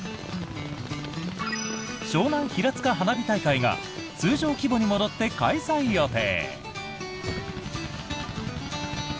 湘南ひらつか花火大会が通常規模に戻って開催予定。